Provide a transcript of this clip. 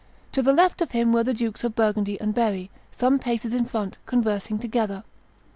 To the left of him were the Dukes of Burgundy and Berry, some paces in front, conversing together.